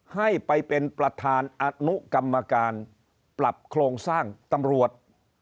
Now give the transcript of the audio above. ให้ไปเป็นประธานอนุกรรมการปรับโครงสร้างตำรวจ